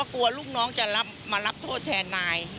กลัวลูกน้องจะมารับโทษแทนนาย